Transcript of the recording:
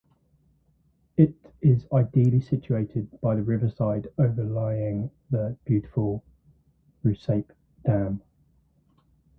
It is ideally situated by the riverside overlying the beautiful Rusape Dam.